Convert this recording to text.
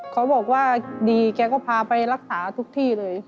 เขาบอกว่าดีแกก็พาไปรักษาทุกที่เลย